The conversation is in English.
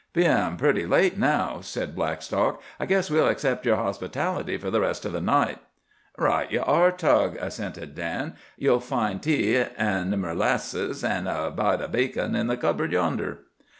"Bein' pretty late now," said Blackstock, "I guess we'll accept yer hospitality for the rest o' the night." "Right ye are, Tug," assented Dan. "Ye'll find tea an' merlasses, an' a bite o' bacon in the cupboard yonder."